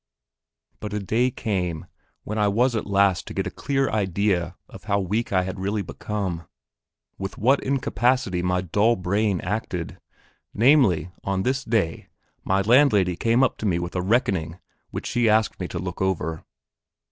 But a day came when I was at last to get a clear idea of how weak I had really become; with what incapacity my dull brain acted. Namely, on this day my landlady came up to me with a reckoning which she asked me to look over.